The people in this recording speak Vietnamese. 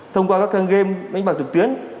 thông qua các game đánh bạc trực tuyến